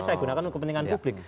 saya gunakan kepentingan publik